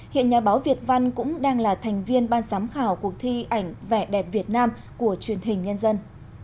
hiện nhà báo việt văn cũng đang là thành viên ban giám khảo cuộc thi ảnh vẻ đẹp việt nam của truyền hình nhân dân